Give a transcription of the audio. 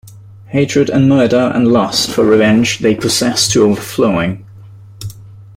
Hatred and murder and lust for revenge they possessed to overflowing.